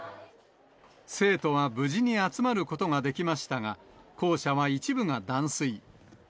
生徒は無事に集まることができましたが、校舎は一部が断水。